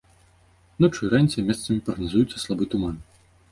Ноччу і раніцай месцамі прагназуецца слабы туман.